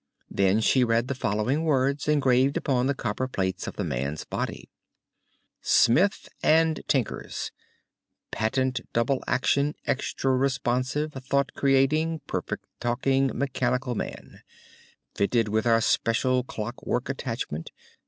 Then she read the following words, engraved upon the copper plates of the man's body: SMITH & TINKER'S Patent Double Action, Extra Responsive, Thought Creating, Perfect Talking MECHANICAL MAN Fitted with our Special Clockwork Attachment.